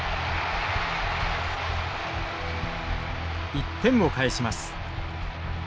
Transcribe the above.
１点を返します。